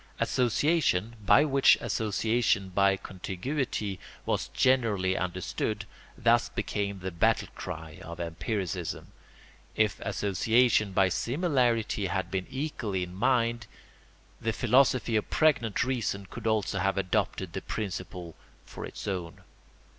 Association, by which association by contiguity was generally understood, thus became the battle cry of empiricism; if association by similarity had been equally in mind, the philosophy of pregnant reason could also have adopted the principle for its own.